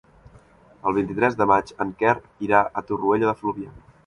El vint-i-tres de maig en Quer irà a Torroella de Fluvià.